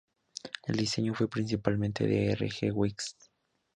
El diseño fue principalmente de R. J. Weeks.